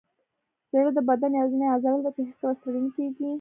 زړه د بدن یوازینی عضله ده چې هیڅکله ستړې نه کېږي.